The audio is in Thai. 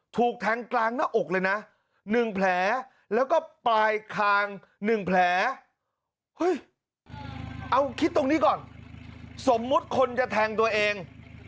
แต่ต่อให้แทงตัวเอง